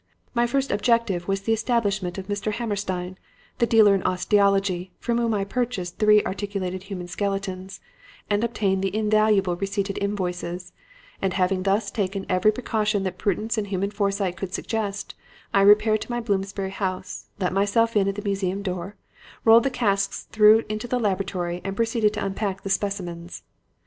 My first objective was the establishment of Mr. Hammerstein, the dealer in osteology, from whom I purchased three articulated human skeletons, and obtained the invaluable receipted invoices; and having thus taken every precaution that prudence and human foresight could suggest, I repaired to my Bloomsbury house, let myself in at the museum door, rolled the casks through into the laboratory and proceeded to unpack the specimens.